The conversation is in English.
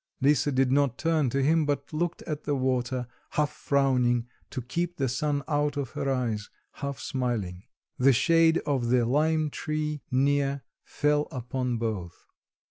Lisa did not turn to him, but looked at the water, half frowning, to keep the sun out of her eyes, half smiling. The shade of the lime tree near fell upon both.